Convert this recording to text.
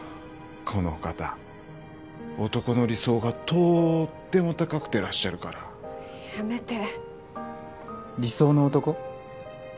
このお方男の理想がとっても高くてらっしゃるからやめて理想の男？